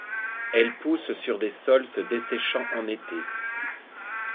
Elle pousse sur des sols se desséchant en été.